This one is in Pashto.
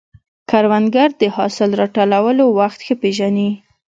کروندګر د حاصل راټولولو وخت ښه پېژني